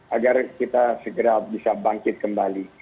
agar kita segera bisa bangkit kembali